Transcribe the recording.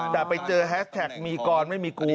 แต่ไปเจอแฮสแท็กมีกรไม่มีกู